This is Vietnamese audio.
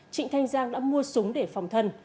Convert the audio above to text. trịnh thanh giang đã mua súng để phòng thân